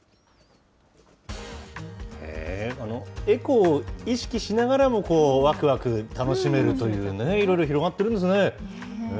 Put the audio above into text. エコを意識しながらも、わくわく、楽しめるという、いろいろ広がってるんですね。